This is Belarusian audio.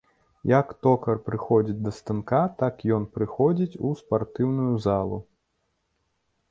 Як токар прыходзіць да станка, так і ён прыходзіць у спартыўную залу.